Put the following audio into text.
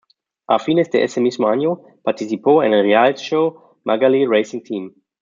A fines de ese mismo año, participó en el reality show "Magaly Racing Team".